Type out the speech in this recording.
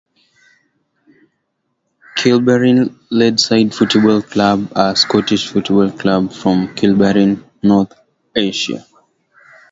Kilbirnie Ladeside Football Club are a Scottish football club, from Kilbirnie, North Ayrshire.